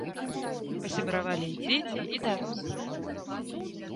Пасябравалі і дзеці, і дарослыя.